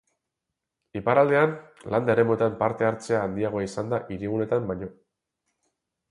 Iparraldean landa-eremuetan parte-hartzea handiagoa izan da hiriguneetan baino.